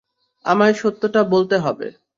তোমায় সত্যটা বলতে হবে!